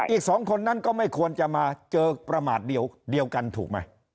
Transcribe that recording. อีก๒คนนั้นก็ไม่ควรจะมาเจอประมาทเดียวกันถูกไหม